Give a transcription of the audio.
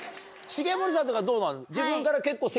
重盛さんとかどうなの？